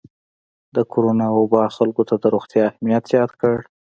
د کرونا وبا خلکو ته د روغتیا اهمیت یاد کړ.